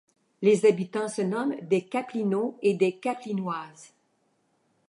Les habitants se nomment des Caplinots et des caplinoises.